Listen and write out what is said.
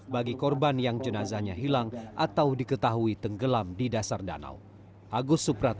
bagi korban yang jenazahnya hilang atau diketahui tenggelam di dasar danau